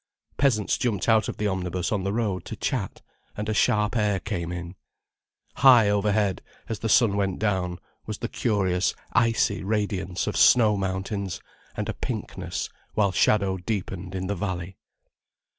Peasants jumped out of the omnibus on to the road, to chat—and a sharp air came in. High overhead, as the sun went down, was the curious icy radiance of snow mountains, and a pinkness, while shadow deepened in the valley.